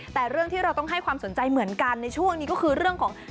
แต่เรื่องที่เราต้องให้ความสนใจเหมือนกันในช่วงนี้ก็คือเรื่องของ